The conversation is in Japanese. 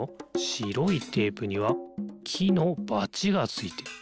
しろいテープにはきのバチがついてる。